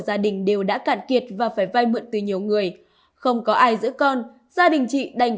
gia đình đều đã cạn kiệt và phải vay mượn từ nhiều người không có ai giữ con gia đình chị đành